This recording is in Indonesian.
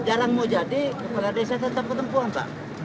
jarang mau jadi kepulauan desa tetap ketempuan pak